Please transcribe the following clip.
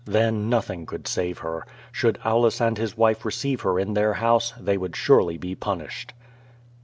Then nothing could save her. Should Aulus and his wife receive her in their house, they would surely be punished.